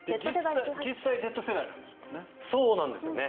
実際、Ｚ世代なんですもんね。